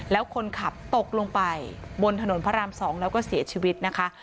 แล้วคนขับตกลงไปบนถนนพระราม๒แล้วก็เสียชีวิตนะคะ